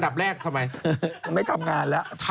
ทำบุณเนี่ยเราจะต้องมีความสุขกับการทำ